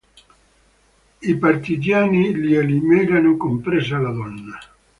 I partigiani li eliminarono, compresa la donna.